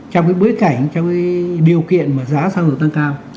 trong bối cảnh trong điều kiện giá xăng dầu tăng cao